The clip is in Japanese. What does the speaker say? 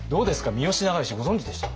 三好長慶ご存じでした？